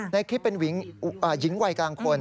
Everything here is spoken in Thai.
ในคลิปเป็นหญิงวัยกลางคน